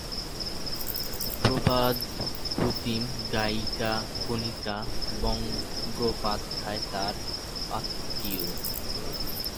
প্রবাদপ্রতিম গায়িকা কণিকা বন্দ্যোপাধ্যায় তাঁর আত্মীয়।